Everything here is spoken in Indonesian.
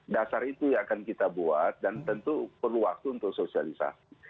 dasar itu yang akan kita buat dan tentu perlu waktu untuk sosialisasi